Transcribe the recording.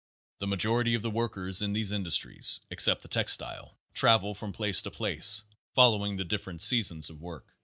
The majority of the workers in these industries except the textile travel from place to place following the different seasons of work.